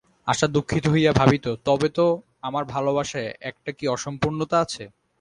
আশা দুঃখিত হইয়া ভাবিত, তবে তো আমার ভালোবাসায় একটা কী অসম্পূর্ণতা আছে।